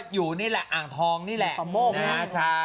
อยู่นี่แหละอ่างทองนี่แหละ